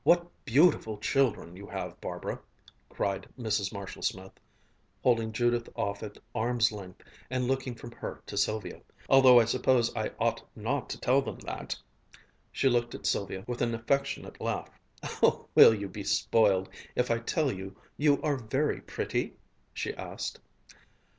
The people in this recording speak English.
"What beautiful children you have, Barbara!" cried Mrs. Marshall Smith, holding Judith off at arm's length and looking from her to Sylvia; "although I suppose I ought not to tell them that!" She looked at Sylvia with an affectionate laugh. "Will you be spoiled if I tell you you are very pretty?" she asked.